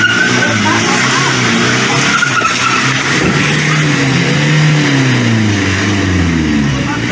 รถมันต่อไปเสียเนอะ